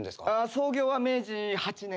創業は明治８年。